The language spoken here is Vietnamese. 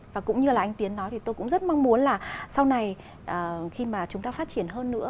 và cũng như là anh tiến nói thì tôi cũng rất mong muốn là sau này khi mà chúng ta phát triển hơn nữa